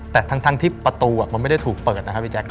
แต่ทั้งที่ประตูมันไม่ได้ถูกเปิดนะครับพี่แจ๊ค